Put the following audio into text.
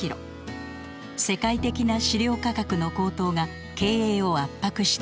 世界的な飼料価格の高騰が経営を圧迫しています。